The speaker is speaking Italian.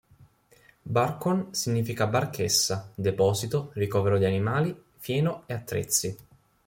Barcon significa barchessa, deposito, ricovero di animali, fieno e attrezzi.